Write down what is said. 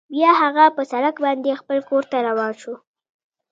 بیا هغه په سړک باندې خپل کور ته روان شو